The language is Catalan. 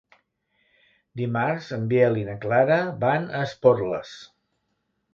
Dimarts en Biel i na Clara van a Esporles.